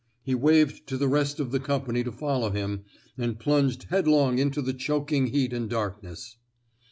He waved to the rest of the company to follow him, and plunged headlong into the choking heat and darkness.